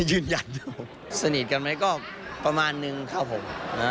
ยืนยันอยู่สนิทกันไหมก็ประมาณนึงครับผม